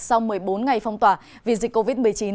sau một mươi bốn ngày phong tỏa vì dịch covid một mươi chín